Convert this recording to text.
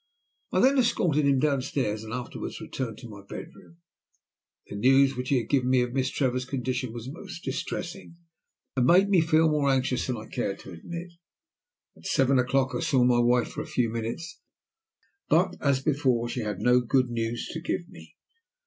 I then escorted him down stairs and afterwards returned to my bedroom. The news which he had given me of Miss Trevor's condition was most distressing, and made me feel more anxious than I cared to admit. At seven o'clock I saw my wife for a few minutes, but, as before, she had no good news to give me.